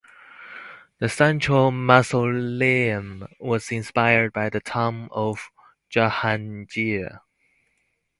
The central mausoleum was inspired by the Tomb of Jahangir.